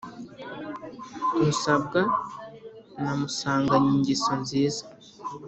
Musabwa namusanganye ingeso nziza,